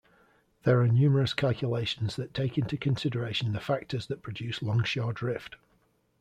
There are numerous calculations that take into consideration the factors that produce longshore drift.